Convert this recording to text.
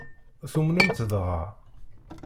Tumnem-tt dɣa?